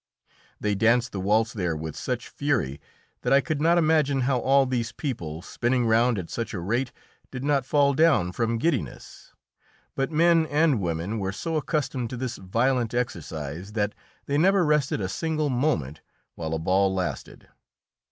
They danced the waltz there with such fury that I could not imagine how all these people, spinning round at such a rate, did not fall down from giddiness; but men and women were so accustomed to this violent exercise that they never rested a single moment while a ball lasted.